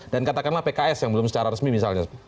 dan katakanlah pks yang belum secara resmi misalnya